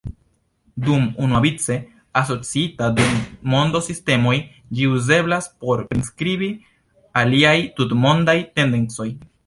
Dum unuavice asociita kun mondo-sistemoj, ĝi uzeblas por priskribi aliaj tutmondaj tendencoj.